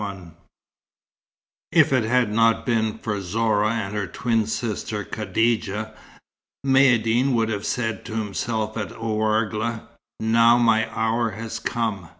XXXI If it had not been for Zorah and her twin sister Khadijah, Maïeddine would have said to himself at Ouargla, "Now my hour has come."